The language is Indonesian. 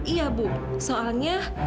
iya bu soalnya